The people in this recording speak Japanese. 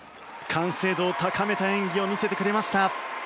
完成度を高めた演技を見せてくれました。